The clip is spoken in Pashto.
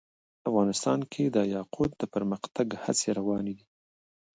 افغانستان کې د یاقوت د پرمختګ هڅې روانې دي.